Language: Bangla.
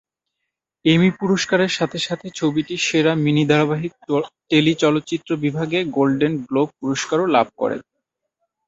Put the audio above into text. এমি পুরস্কারের সাথে সাথে ছবিটি সেরা মিনি ধারাবাহিক/টেলিচলচ্চিত্র বিভাগে গোল্ডেন গ্লোব পুরস্কারও লাভ করে।